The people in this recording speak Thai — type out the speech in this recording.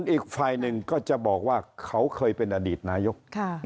อีกฝ่ายหนึ่งก็จะบอกว่าเขาเคยเป็นอดีตนายก